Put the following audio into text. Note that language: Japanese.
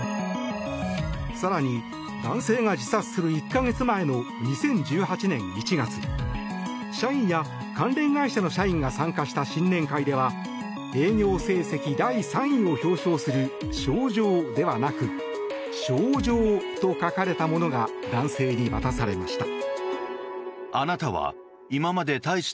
更に男性が自殺する１か月前の２０１８年１月社員や関連会社の社員が参加した新年会では営業成績第３位を表彰する「賞状」ではなく「症状」と書かれたものが男性に渡されました。